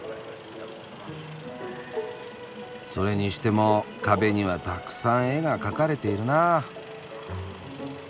それにしても壁にはたくさん絵が描かれているなあ。